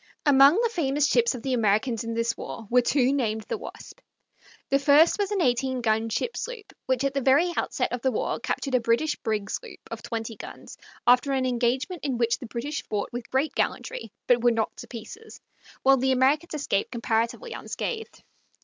Among the famous ships of the Americans in this war were two named the Wasp. The first was an eighteen gun ship sloop, which at the very outset of the war captured a British brig sloop of twenty guns, after an engagement in which the British fought with great gallantry, but were knocked to Pieces, while the Americans escaped comparatively unscathed.